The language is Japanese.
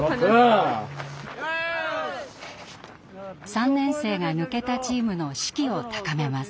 ３年生が抜けたチームの士気を高めます。